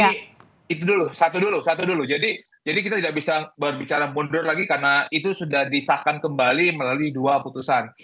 jadi itu dulu satu dulu satu dulu jadi kita tidak bisa berbicara mundur lagi karena itu sudah disahkan kembali melalui dua putusan